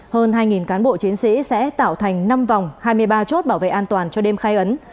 hơn hai cán bộ chiến sĩ sẽ tạo thành năm vòng hai mươi ba chốt bảo vệ an toàn cho đêm khai ấn